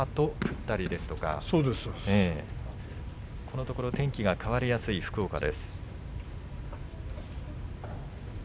このところ天気が変わりやすい福岡です。